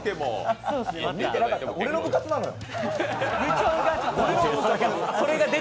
俺の部活なのよ。